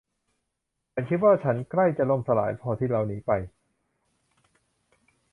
ฉันคิดว่าฉันใกล้จะล่มสลายพอที่เราหนีไป